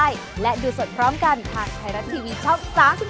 สวัสดีครับ